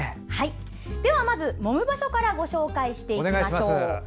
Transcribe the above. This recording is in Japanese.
ではまず、もむ場所からご紹介していきましょう。